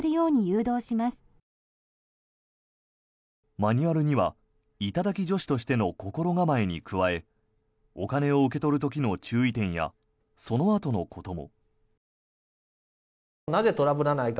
マニュアルには頂き女子としての心構えに加えお金を受け取る時の注意点やそのあとのことも。